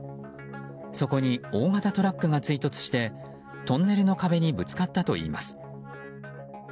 そこに大型トラックが追突してトンネルの壁にぶつかったといいます。